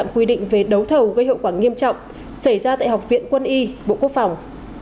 quy định về đấu thầu gây hậu quả nghiêm trọng xảy ra tại học viện quân y bộ quốc phòng